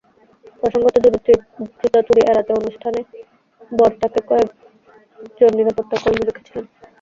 প্রসঙ্গত, জুতা চুরি এড়াতে অনুষ্ঠানে বর তাঁর সঙ্গে কয়েকজন নিরাপত্তাকর্মী রেখেছিলেন।